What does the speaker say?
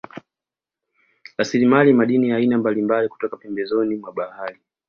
Rasilimali madini ya aina mbalimbali kutoka pembezoni mwa bahari